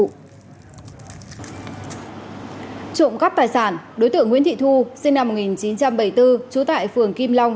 trộm cắp tài sản đối tượng nguyễn thị thu sinh năm một nghìn chín trăm bảy mươi bốn trú tại phường kim long